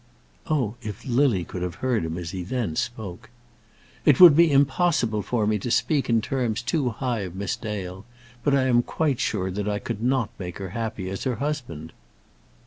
Oh, if Lily could have heard him as he then spoke! "It would be impossible for me to speak in terms too high of Miss Dale; but I am quite sure that I could not make her happy as her husband."